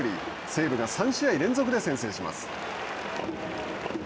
西武が３試合連続で先制します。